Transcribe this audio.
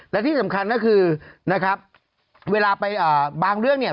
และที่สำคัญก็คือนะครับเวลาไปบางเรื่องเนี่ย